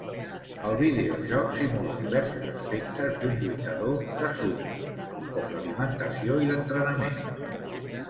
El videojoc simula diversos aspectes d'un lluitador de Sumo, com l'alimentació i l'entrenament.